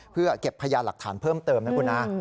เพื่อเก็บพยานหลักฐานเพิ่มเติมนะคุณนะ